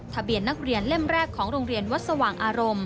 ทะเบียนนักเรียนเล่มแรกของโรงเรียนวัดสว่างอารมณ์